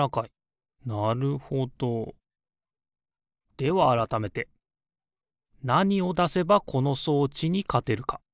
ではあらためてなにをだせばこの装置にかてるか？